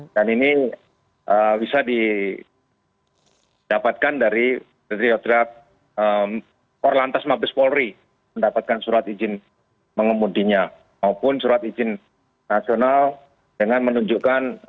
dan ini bisa didapatkan dari redriotrat korlantas mabes polri mendapatkan surat izin mengemudinya maupun surat izin nasional dengan menunjukkan